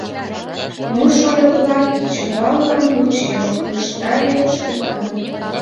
— Ну, шольо-влак, кечываллан вучем, — ыштале Шкетан.